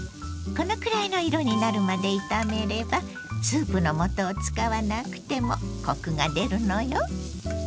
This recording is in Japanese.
このくらいの色になるまで炒めればスープのもとを使わなくてもコクが出るのよ。